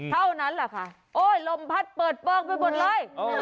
เท่านั้นแหละค่ะโอ้ยลมพัดเปิดเปลืองไปหมดเลย